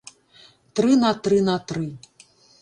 Тры на тры на тры.